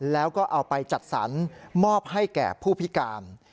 แล้วก็เอาไปจัดสรรมอบให้แก่ผู้พิการ